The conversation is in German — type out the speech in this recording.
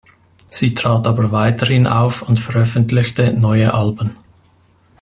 Sie trat aber weiterhin auf und veröffentlichte neue Alben.